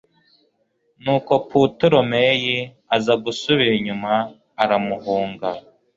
nuko putolemeyi aza gusubira inyuma aramuhunga